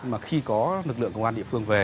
mà khi có lực lượng công an địa phương về